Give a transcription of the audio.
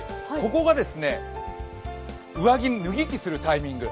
ここが上着脱ぎ着するタイミング。